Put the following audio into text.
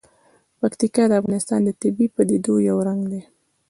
پکتیکا د افغانستان د طبیعي پدیدو یو رنګ دی.